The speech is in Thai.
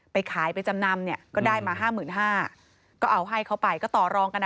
ไปขายไปจำนำเนี่ยก็ได้มาห้าหมื่นห้าก็เอาให้เขาไปก็ต่อรองกันนะ